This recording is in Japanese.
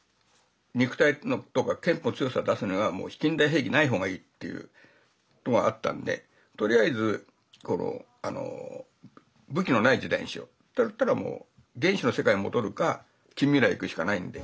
肉体とか拳法の強さを出すならもう近代兵器ない方がいいっていうのはあったんでとりあえず武器のない時代にしようっていったらもう原始の世界に戻るか近未来に行くしかないんで。